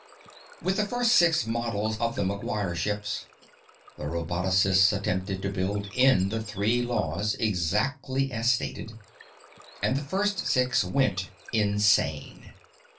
With the first six models of the McGuire ships, the robotocists attempted to build in the Three Laws exactly as stated. And the first six went insane.